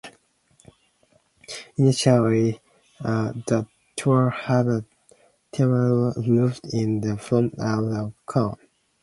Initially, the tower had a timber roof in the form of a cone.